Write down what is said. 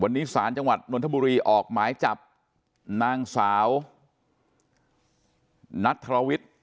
วันนี้ศาลจังหวัดนทบุรีออกหมายจับนางสาวนัทธรวิทย์